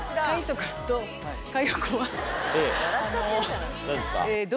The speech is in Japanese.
笑っちゃってるじゃないですか。